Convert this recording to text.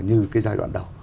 như cái giai đoạn đầu